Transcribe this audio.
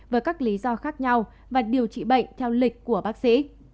với các lý do khác nhau và điều trị bệnh theo lịch của bác sĩ